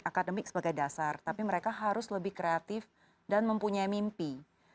akademik sebagai dasar tapi mereka harus lebih kreatif dan mempunyai mimpi